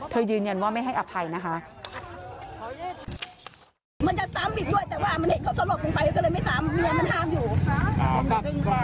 ยืนยันว่าไม่ให้อภัยนะคะ